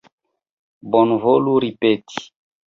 Bonvolu ripeti.